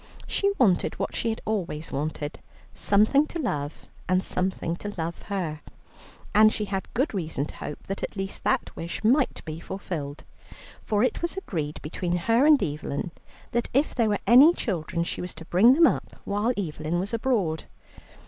She wanted what she had always wanted, something to love and something to love her. And she had good reason to hope that at last that wish might be realized, for it was agreed between her and Evelyn that if there were any children, she was to bring them up while Evelyn was abroad.